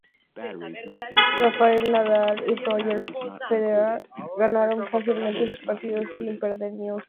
Rafael Nadal y Roger Federer ganaron fácilmente sus partidos sin perder ni un set.